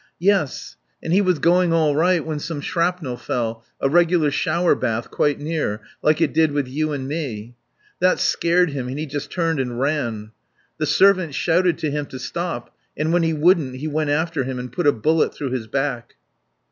"Yes. And he was going all right when some shrapnel fell a regular shower bath, quite near, like it did with you and me. That scared him and he just turned and ran. The servant shouted to him to stop, and when he wouldn't he went after him and put a bullet through his back."